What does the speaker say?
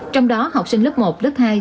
trong đó học sinh lớp một lớp hai